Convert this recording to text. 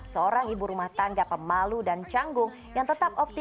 seorang ibu rumah tangga pemalu dan canggung yang tetap optimis